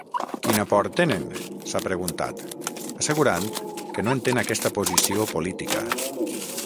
Quina por tenen?, s’ha preguntat, assegurant que no entén aquesta posició política.